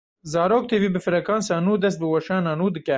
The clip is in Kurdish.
Zarok tv bi frekansa nû dest bi weşana nû dike.